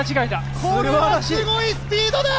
これはすごいスピードだ